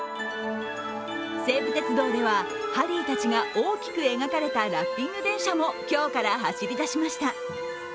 西武鉄道ではハリーたちが大きく描かれたラッピング電車も今日から走り出しました。